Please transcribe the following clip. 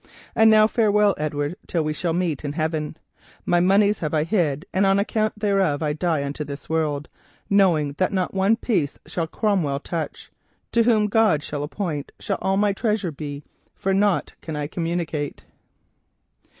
And now farewell, Edward, till we shall meet in heaven. My monies have I hid and on account thereof I die unto this world, knowing that not one piece shall Cromwell touch. To whom God shall appoint, shall all my treasure be, for nought can I communicate.